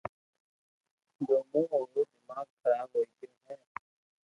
جو مون او رو دماغ خراب ھوئي گيو ھي